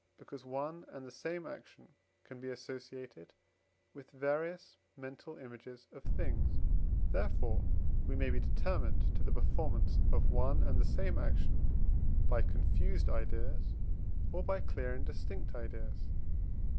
because one and the same action can be associated with various mental images of things; therefore we may be determined to the performance of one and the same action by confused ideas, or by clear and distinct ideas.